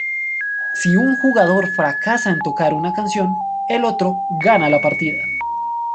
Si un jugador fracasa en tocar una canción, el otro gana la partida.